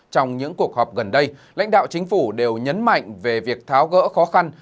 trong những cuộc họp gần đây lãnh đạo chính phủ đều nhấn mạnh về việc tháo gỡ khó khăn